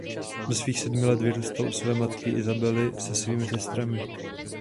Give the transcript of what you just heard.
Do svých sedmi let vyrůstal u své matky Isabely se svými sestrami.